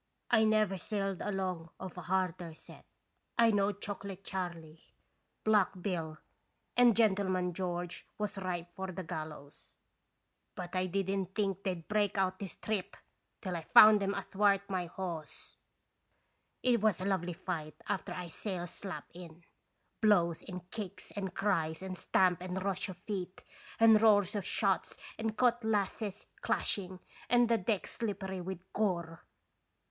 "I never sailed along of a harder set; I knowed Chocolate Charley, Black Bill, and & (gracious bisitation. 189 Gentleman George was ripe for the gallows, but I didn't think they'd break out this trip till I found them athwart my hawse. It was a lovely fight after I sails slap in. Blows and kicks and cries and stamp and rush of feet, and roar of shots and cutlasses clashing, and the deck slippery with gore